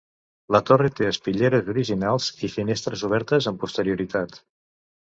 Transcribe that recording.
La torre té espitlleres originals i finestres obertes amb posterioritat.